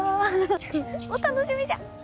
お楽しみじゃ。